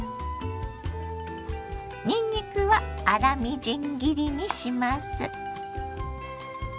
にんにくは粗みじん切りにします。